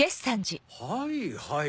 はいはい。